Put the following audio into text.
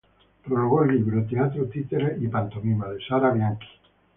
Prologó el libro "Teatro, títeres y pantomima" de Sarah Bianchi.